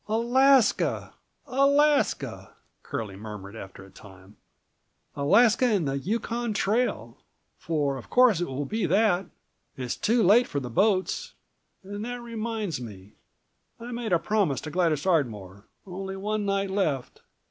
"Alaska! Alaska!" Curlie murmured after a time, "Alaska and the Yukon trail, for of238 course it will be that. It's too late for the boats. And that reminds me, I made a promise to Gladys Ardmore. Only one night left."